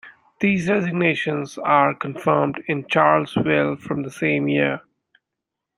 These resignations are confirmed in Charles's will from the same year.